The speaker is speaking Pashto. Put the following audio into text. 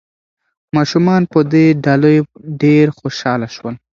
ماشومان په دې ډالیو ډېر خوشاله شول.